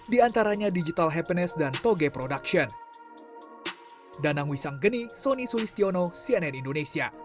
di antaranya digital happiness dan toge production